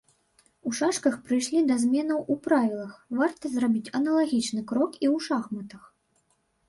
У шашках прыйшлі да зменаў у правілах, варта зрабіць аналагічны крок і ў шахматах.